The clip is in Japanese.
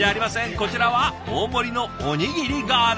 こちらは大盛りのおにぎりガール。